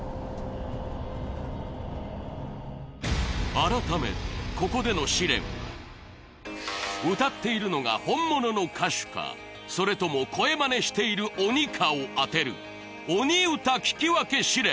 改めてここでの試練は歌っているのが本物の歌手かそれとも声マネしている鬼かを当てる鬼歌聴き分け試練